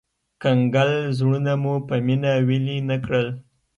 کنګل زړونه مو په مينه ويلي نه کړل